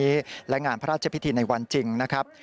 พระราชพิธีครั้งนี้และงานพระราชพิธีในวันจริงนะครับ